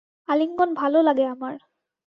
আলিঙ্গন ভালো লাগে আমার।